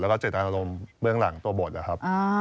แล้วก็เจตนารมณ์เบื้องหลังตัวบทนะครับ